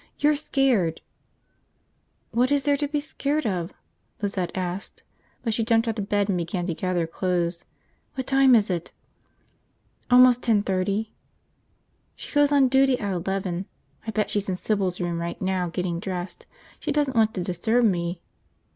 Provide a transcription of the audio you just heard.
"You're scared!" "What is there to be scared of?" Lizette asked, but she jumped out of bed and began to gather clothes. "What time is it?" "Almost ten thirty." "She goes on duty at eleven. I bet she's in Sybil's room right now, getting dressed. She doesn't want to disturb me."